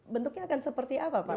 bentuknya akan seperti apa pak